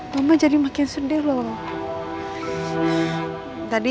rumah jadi makin sedih loh